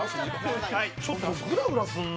ちょっとぐらぐらすんな。